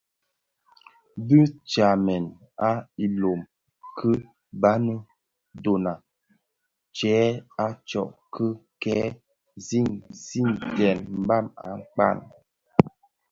Dhi tsamèn a ilom ki baňi dhona tyèn a tsok ki kè sigsigten mbam akpaň.